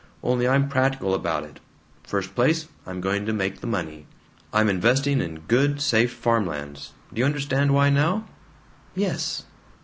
Only, I'm practical about it. First place, I'm going to make the money I'm investing in good safe farmlands. Do you understand why now?" "Yes."